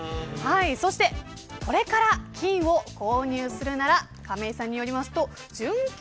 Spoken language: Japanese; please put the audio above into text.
そしてこれから金を購入するなら亀井さんによりますと純金